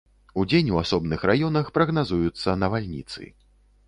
Удзень у асобных раёнах прагназуюцца навальніцы.